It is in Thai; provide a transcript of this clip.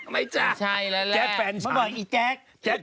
ไม่จ๊ะแจ๊คแฟนฉัน